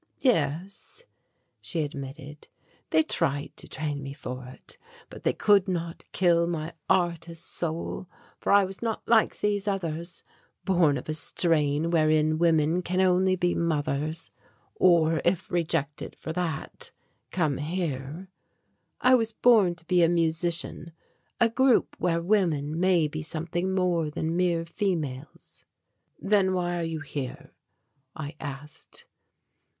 "Yes," she admitted, "they tried to train me for it, but they could not kill my artist's soul, for I was not like these others, born of a strain wherein women can only be mothers, or, if rejected for that, come here. I was born to be a musician, a group where women may be something more than mere females." "Then why are you here?" I asked.